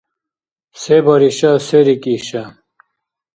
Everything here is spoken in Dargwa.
Се бариша, се рикӏиша?